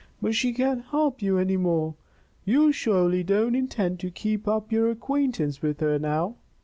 But she can't help you any more. You surely don't intend to keep up your acquaintance with her now."